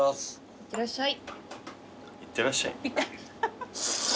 いってらっしゃい？